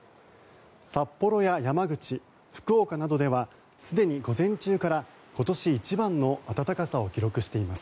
札幌や山口、福岡などではすでに午前中から今年一番の暖かさを記録しています。